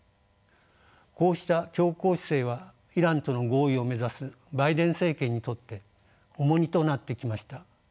こうした強硬姿勢はイランとの合意を目指すバイデン政権にとって重荷となってきました。